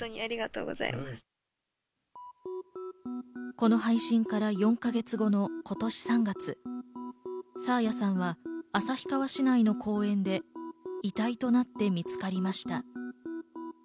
この配信から４か月後の今年３月、爽彩さんは旭川市内の公園で遺体となって見つかりました。